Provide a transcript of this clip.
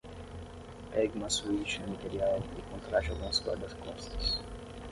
Pegue uma suíte no Imperial e contrate alguns guarda-costas.